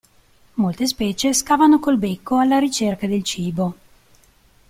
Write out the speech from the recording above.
Molte specie scavano col becco alla ricerca del cibo.